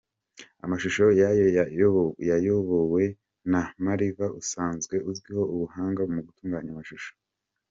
Amashusho yayo yayobowe na MaRiva usanzwe uzwiho ubuhanga mu gutuganya amshusho.